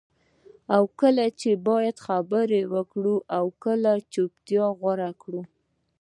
چې کله باید خبرې وکړې او کله چپتیا غوره کړې.